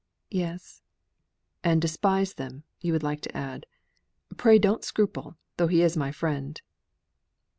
"Yes." "And despise them, you would like to add. Pray don't scruple, though he is my friend."